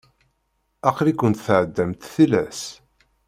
Aql-ikent tεedamt tilas.